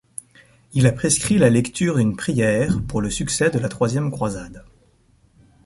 Il a prescrit la lecture d'une prière pour le succès de la troisième croisade.